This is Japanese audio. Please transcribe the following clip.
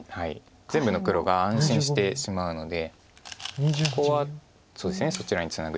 全部の黒が安心してしまうのでここはそちらにツナぐ